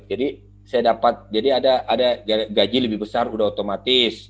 jadi saya dapat jadi ada gaji lebih besar sudah otomatis